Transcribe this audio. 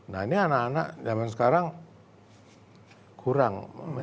nah ini anak anak zaman sekarang kurang